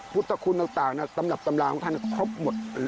พุทธคุณต่างตามหลังของท่านครอบหมด